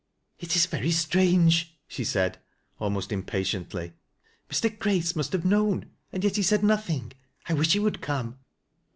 "It is very strange," she said, almost impatiently. " Mr. Grace must have known, and yet he said nothing. I wish he would come."